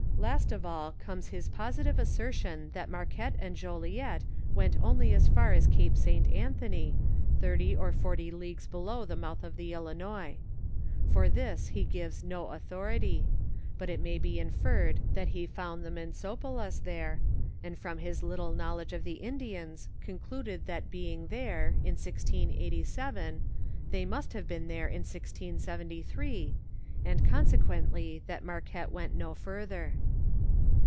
Last of all, comes his positive assertion that Marquette and Joliet went only as far ns Capo St. Anthony.thirty or forty leagues below tho mouth of the Illinois. For this ho gives no authority; but it may bo inferred that ho found the Mansopelas there, and from his little knowledge of the Indians, concluded thot being there, in 1687, they must have been there in 1073, and consequently, that Marquette went no further.